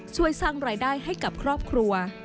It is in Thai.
ช่วยสร้างรายได้ให้กับครอบครัว